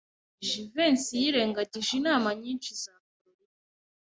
Jivency yirengagije inama nyinshi za Kalorina.